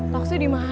toksi di mana ya